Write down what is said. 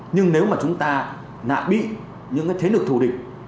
nhưng nếu mà chúng ta nạ bị những thế lực thù địch